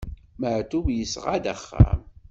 Maɛṭub yesɣa-d axxam.